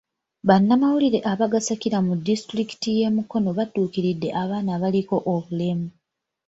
Bannamawulire abagasakira mu disitulikiti y'e Mukono badduukiridde abaana abaliko obulemu.